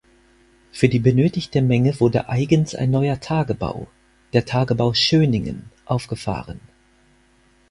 Für die benötigte Menge wurde eigens ein neuer Tagebau, der Tagebau Schöningen, aufgefahren.